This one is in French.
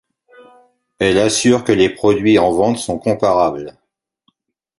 Elle assure que les produits en vente sont comparables.